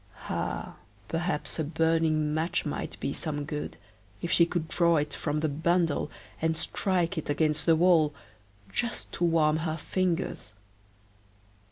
Ah! perhaps a burning match might be some good, if she could draw it from the bundle and strike it against the wall, just to warm her fingers.